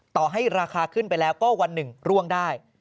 ต่อให้ราคาขึ้นไปแล้วก็วันหนึ่งร่วงได้